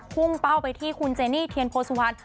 พุ่งเป้าไปที่คุณเจนี่เทียนโพสุวรรณ